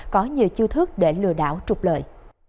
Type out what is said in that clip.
có nhiều chiêu thức để lừa đảo trục lợi